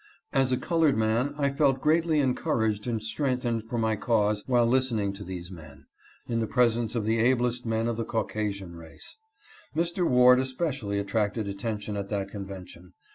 As a colored man I felt greatly encouraged and strengthened for my cause while listening to these men, 'in the presence of the ablest men of the Caucasian race. Mr. Ward especially attracted attention at that convention.